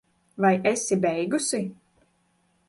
Vai esi beigusi?